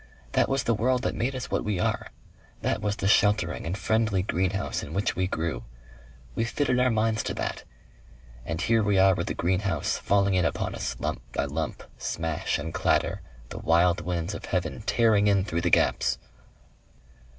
That was the world that made us what we are. That was the sheltering and friendly greenhouse in which we grew. We fitted our minds to that.... And here we are with the greenhouse falling in upon us lump by lump, smash and clatter, the wild winds of heaven tearing in through the gaps."